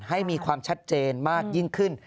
ให้มีความชัดเจนมากยิ่งขึ้น